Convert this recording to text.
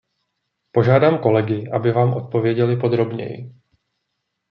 Požádám kolegy, aby vám odpověděli podrobněji.